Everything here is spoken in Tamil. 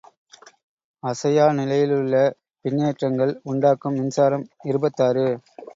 அசையா நிலையிலுள்ள மின்னேற்றங்கள் உண்டாக்கும் மின்சாரம் இருபத்தாறு.